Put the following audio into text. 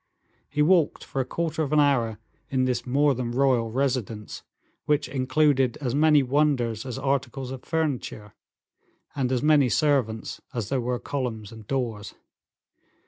He walked for a quarter of an hour in this more than royal residence, which included as many wonders as articles of furniture, and as many servants as there were columns and doors.